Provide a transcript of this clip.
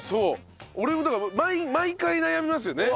俺もだから毎回悩みますよね？